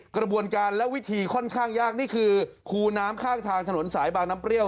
กระบวนการและวิธีค่อนข้างยากนี่คือคูน้ำข้างทางถนนสายบางน้ำเปรี้ย